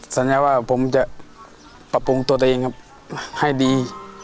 สัญญาว่าผมจะปรับปรุงตัวเองครับให้ดี